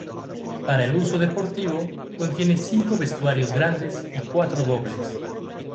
Para el uso deportivo, contiene cinco vestuarios grandes y cuatro dobles.